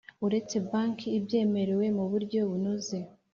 Uretse banki ibyemerewe mu buryo bunoze.